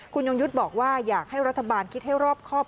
คุณยงยุทธ์บอกว่าอยากให้รัฐบาลคิดให้รอบครอบ